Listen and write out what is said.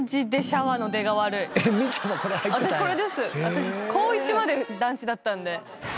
私高１まで団地だったんで。